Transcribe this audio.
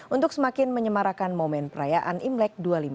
untuk semakin menyemarakan momen perayaan imlek dua ribu lima ratus tujuh puluh